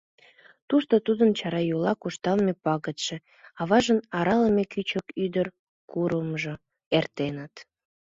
Тушто тудын чарайола куржталме пагытше, аважын аралыме кӱчык ӱдыр курымжо эртеныт.